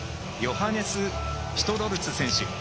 ヨハネス・シュトロルツ選手。